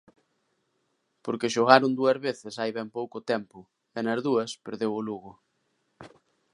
Porque xogaron dúas veces hai ben pouco tempo, e nas dúas perdeu o Lugo.